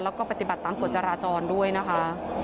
แล้วก็ปฏิบัติตามกฎจราจรด้วยนะคะ